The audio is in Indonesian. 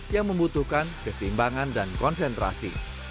yang membutuhkan keseimbangan dan konsentrasi